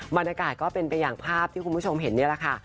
บรรยากาศก็เป็นไปอย่างภาพที่คุณผู้ชมเห็นนี่แหละค่ะ